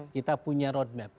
kita punya road map